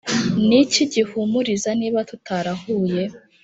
niki gihumuriza niba tutarahuye?